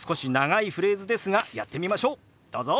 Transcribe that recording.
どうぞ。